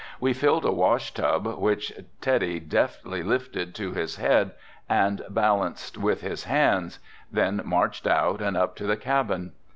We filled a wash tub which Teddy deftly lifted to his head and balanced with his hands, then marched out and up to the cabin.